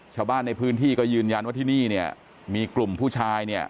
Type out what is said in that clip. ชาวบ้านในพื้นที่ก็ยืนยันว่าที่นี่เนี่ยมีกลุ่มผู้ชายเนี่ย